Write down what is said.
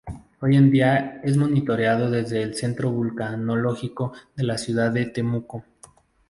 Hoy en día es monitoreado desde el centro vulcanológico de la ciudad de Temuco.